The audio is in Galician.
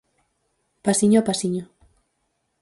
Pasiño a pasiño.